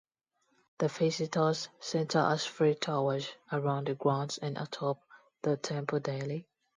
The visitors' center has free tours around the grounds and atop the temple daily.